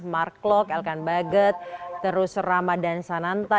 mark klok elkan baget terus ramadhan sananta